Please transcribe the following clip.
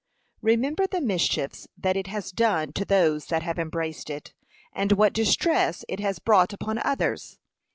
Remember the mischiefs that it has done to those that have embraced it, and what distress it has brought upon others.